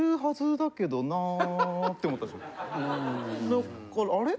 だからあれ？